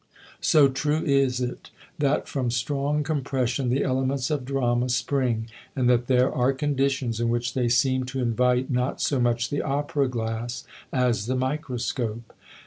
So true is it that from strong compres sion the elements of drama spring and that there are conditions in which they seem to invite not so much the opera glass as the microscope.